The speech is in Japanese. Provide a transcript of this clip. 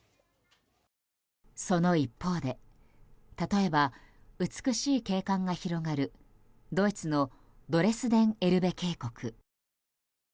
その一方で例えば、美しい景観が広がるドイツのドレスデン・エルベ渓谷。